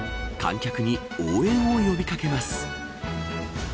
観客に応援を呼び掛けます。